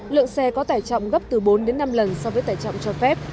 lượng xe có tài trọng gấp từ bốn đến năm lần so với tài trọng cho phép